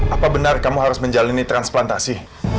apa benar kamu harus menjalani transplantasi